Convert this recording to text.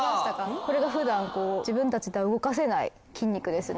これが普段こう自分たちでは動かせない筋肉ですね。